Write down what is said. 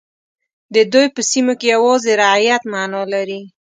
د دوی په سیمو کې یوازې رعیت معنا لري.